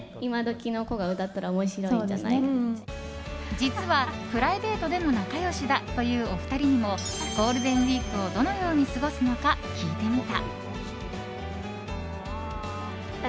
実はプライベートでも仲良しだというお二人にもゴールデンウィークをどのように過ごすのか聞いてみた。